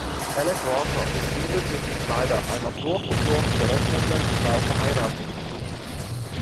Alec Walker ist unglücklich mit Maida, einer durch und durch berechnenden Frau, verheiratet.